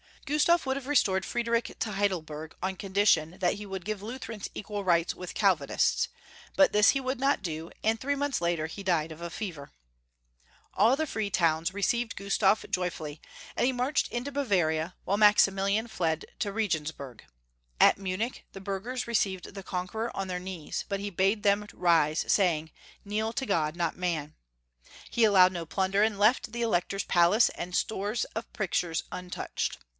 Gustaf would have restored Friedrich to Heidelberg on condition that he would give Lutherans equal rights with Calvinists, but tliis he would not do, and three months later he died of a fever. All the free toAviis received Gustaf joj^ully, and he marched mto Bavai'ia, while Maximilian fled to Regensburg. At Munich, the biu'ghers received the conqueror on then' knees, but he bade them rise, saying, " Kneel to God, not man." He al* lowed no plmider, and left the Elector's palace and stores of pictures untouched.